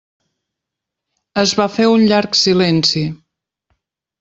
Es va fer un llarg silenci.